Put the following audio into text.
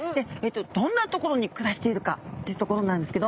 どんな所に暮らしているか？というところなんですけど。